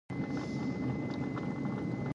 ماشومان په دوبي کې د سیند غاړې ته ځي.